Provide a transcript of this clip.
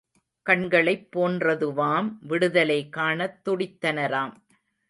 கண்களைப் போன்றதுவாம் விடுதலை காணத் துடித்தனராம்.